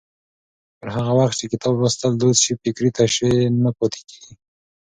پر هغه وخت چې کتاب لوستل دود شي، فکري تشې نه پاتې کېږي.